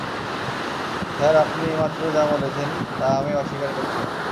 Sir, আপনি এইমাত্র যা বলেছেন তা আমি অস্বীকার করছি না।